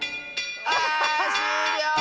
あしゅうりょう！